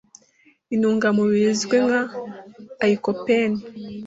Intungamubiri izwi nka 'lycopene'